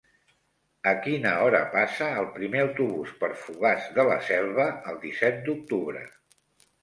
A quina hora passa el primer autobús per Fogars de la Selva el disset d'octubre?